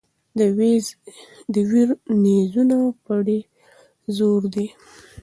د ویر نیزونه په ډېر زور دي.